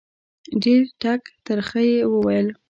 ډېر ټک ترخه یې وویل.